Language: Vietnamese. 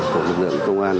của lực lượng công an